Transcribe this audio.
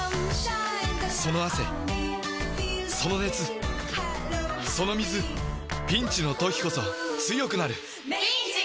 その汗その熱その水ピンチの時こそ強くなる！